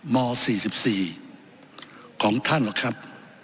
ม๔๔ของท่านหรอกครับ